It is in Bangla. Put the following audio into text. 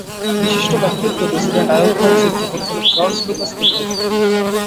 বিশিষ্ট ব্যক্তিত্ব—প্রেসিডেন্ট আইয়ুব খান, চিত্র পরিচালক জর্জ লুকাস, কবি রবার্ট পিংক।